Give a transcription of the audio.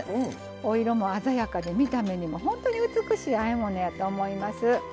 お色も鮮やかで見た目にも本当に美しいあえ物やと思います。